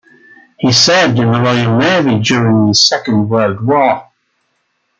He served in the Royal Navy during the Second World War.